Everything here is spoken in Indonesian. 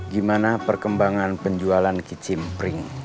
gimana perkembangan penjualan kicimpring